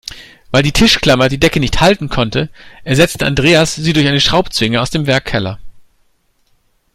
Weil die Tischklammer die Decke nicht halten konnte, ersetzte Andreas sie durch eine Schraubzwinge aus dem Werkkeller.